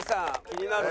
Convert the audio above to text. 気になる。